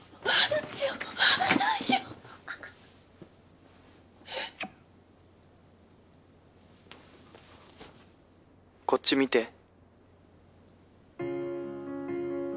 松田：こっち見て